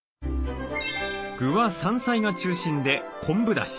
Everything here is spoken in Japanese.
具は山菜が中心で昆布だし。